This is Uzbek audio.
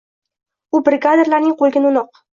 U brigadirlarning qo‘liga no‘noq.